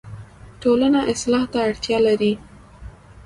ټولنه اصلاح ته اړتیا لري